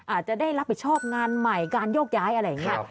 อาจจะได้รับผิดชอบงานใหม่การโยกย้ายอะไรอย่างนี้